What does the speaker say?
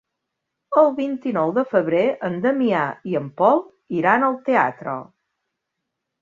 El vint-i-nou de febrer en Damià i en Pol iran al teatre.